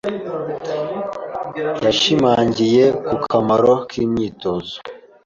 Yashimangiye ku kamaro k’imyitozo.